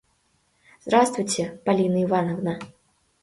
Здравствуйте, Полина Ивановна!..